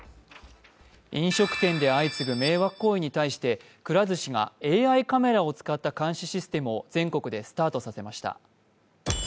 飲食店で相次ぐ迷惑行為に対してくら寿司がＡＩカメラを使った監視システムを全国でスタートしました。